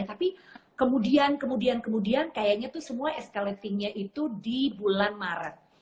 tapi kemudian kemudian kayaknya tuh semua eskalatingnya itu di bulan maret